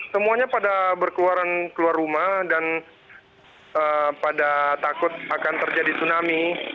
semuanya pada berkeluaran keluar rumah dan pada takut akan terjadi tsunami